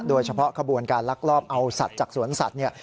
โดยเฉพาะขบวนการรักรอบเอาสัตว์จากสวนสัตว์เนี่ย